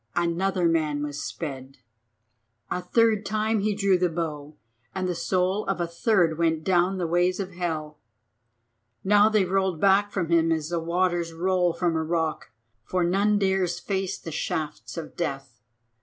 another man was sped. A third time he drew the bow and the soul of a third went down the ways of hell. Now they rolled back from him as the waters roll from a rock, for none dares face the shafts of death.